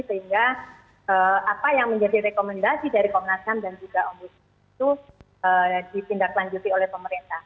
sehingga apa yang menjadi rekomendasi dari komnasam dan juga om busman itu dipindahlanjuti oleh pemerintah